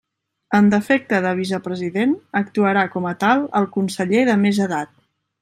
En defecte de vicepresident actuarà com a tal el conseller de més edat.